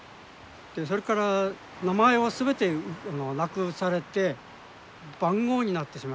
それから名前を全てなくされて番号になってしまいます。